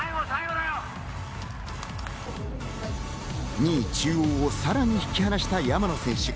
２位・中央をさらに引き離した山野選手。